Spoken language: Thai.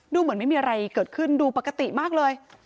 ดูเหมือนไม่มีอะไรเกิดขึ้นดูปกติมากเลย